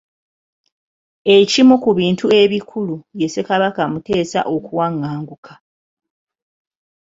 Ekimu ku bintu ebikulu ye Ssekabaka Muteesa okuwaŋŋanguka.